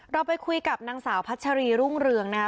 เราไปคุยกับนางสาวพัชรีรุ่งเรืองนะคะ